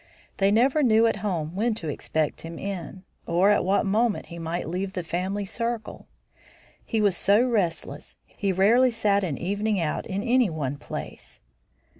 They never knew at home when to expect him in, or at what moment he might leave the family circle. He was so restless, he rarely sat an evening out in any one place.